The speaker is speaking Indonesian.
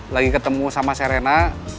lagi ketemu sama serena